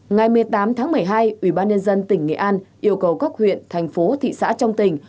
ngày một mươi tám tháng một mươi hai ubnd tỉnh nghệ an yêu cầu các huyện thành phố thị xã trong tỉnh